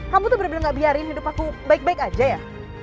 kamu tuh bener bener gak biarin hidup aku baik baik aja ya